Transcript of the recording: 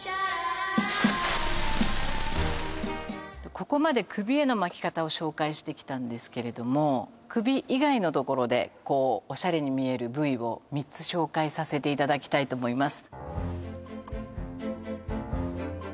ここまで首への巻き方を紹介してきたんですけれども首以外のところでオシャレに見える部位を３つ紹介させていただきたいと思います